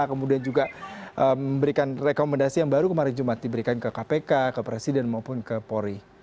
kemudian juga memberikan rekomendasi yang baru kemarin jumat diberikan ke kpk ke presiden maupun ke pori